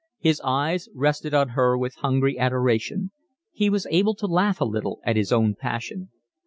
His eyes rested on her with hungry adoration. He was able to laugh a little at his own passion.